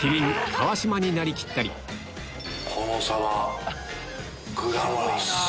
川島になりきったりこのサバグラマラス。